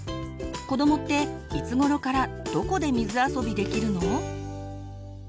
子どもっていつごろからどこで水あそびできるの？